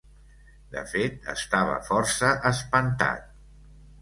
De fet estava força espantat